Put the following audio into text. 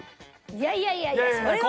いやいやいやいやそれは。